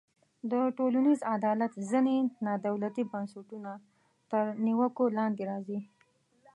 د ټولنیز عدالت ځینې نا دولتي بنسټونه تر نیوکو لاندې راځي.